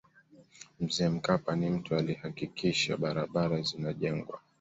mzee mkapa ni mtu alihakikisha barabara zinajengwa